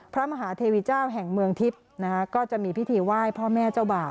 พระมหาเทวีเจ้าแห่งเมืองทิพย์นะคะก็จะมีพิธีไหว้พ่อแม่เจ้าบ่าว